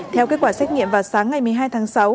theo kết quả xét nghiệm vào sáng ngày một mươi hai tháng sáu